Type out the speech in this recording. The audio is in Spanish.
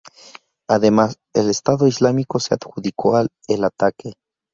Además, el Estado Islámico se adjudicó el ataque.